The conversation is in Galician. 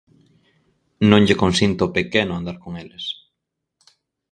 Non lle consinto ó pequeno andar con eles.